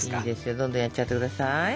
どんどんやっちゃって下さい。